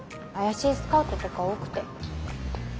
怪しいスカウトとか多くて。